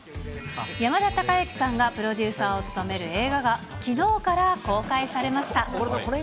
山田孝之さんがプロデューサーを務める映画がきのうから公開されました。